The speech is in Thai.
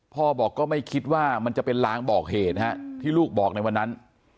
พ่อบอกก็ไม่คิดว่ามันจะเป็นลางบอกเหตุที่ลูกบอกในวันนั้น